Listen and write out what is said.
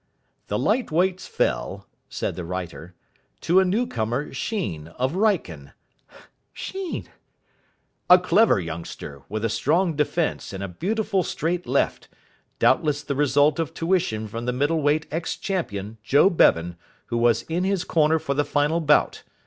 "The Light Weights fell," said the writer, "to a newcomer Sheen, of Wrykyn" (Sheen!), "a clever youngster with a strong defence and a beautiful straight left, doubtless the result of tuition from the middle weight ex champion, Joe Bevan, who was in his corner for the final bout.